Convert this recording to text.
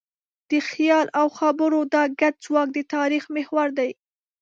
د خیال او خبرو دا ګډ ځواک د تاریخ محور دی.